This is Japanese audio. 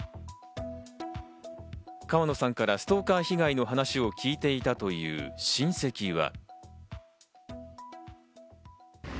川野さんからストーカー被害の話を聞いていたという親戚は。